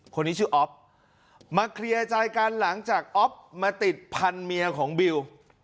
คนนี้ชื่ออ๊อฟมาเคลียร์ใจกันหลังจากอ๊อฟมาติดพันเมียของบิว